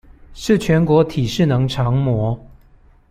是全國體適能常模